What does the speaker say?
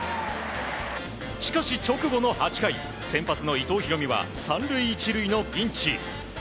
しかし直後の８回先発の伊藤大海は３塁１塁のピンチ。